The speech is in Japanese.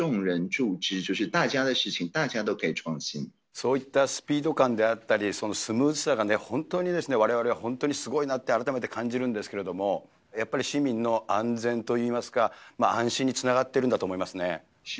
そういったスピード感であったり、スムーズさが本当に、われわれは本当にすごいなって、改めて感じるんですけれども、やっぱり市民の安全といいますか、安心につながってるんだと思いますね。